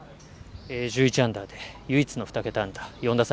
１１アンダーで唯一の２桁アンダー、４打差。